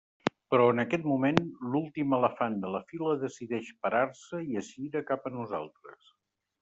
Però, en aquest moment, l'últim elefant de la fila decideix parar-se i es gira cap a nosaltres.